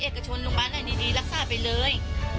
เอกชนโรงพยาบาลอะไรดีรักษาไปเลย